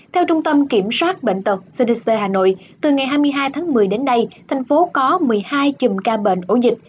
theo trung tâm kiểm soát bệnh tật cdc hà nội từ ngày hai mươi hai tháng một mươi đến nay thành phố có một mươi hai chùm ca bệnh ổ dịch